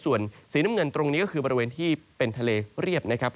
ส่วนสีน้ำเงินตรงนี้ก็คือบริเวณที่เป็นทะเลเรียบนะครับ